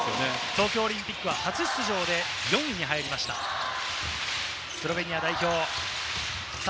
東京オリンピックは初出場で４位に入りました、スロベニア代表。